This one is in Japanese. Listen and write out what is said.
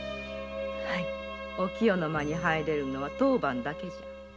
御清の間に入れるのは当番だけ。